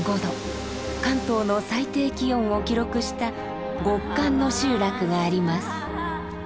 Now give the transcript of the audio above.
関東の最低気温を記録した極寒の集落があります。